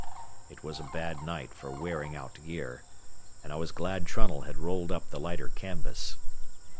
It was a bad night for wearing out gear, and I was glad Trunnell had rolled up the lighter canvas.